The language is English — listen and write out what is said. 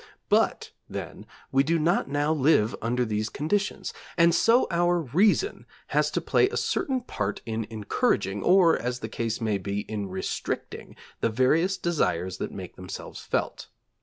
But, then, we do not now live under these conditions, and so our reason has to play a certain part in encouraging, or, as the case may be, in restricting the various desires that make themselves felt.